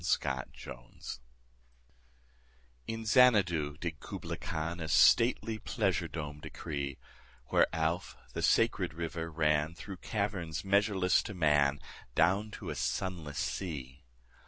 Kubla Khan IN Xanadu did Kubla Khan A stately pleasure dome decree: Where Alph, the sacred river, ran Through caverns measureless to man Down to a sunless sea.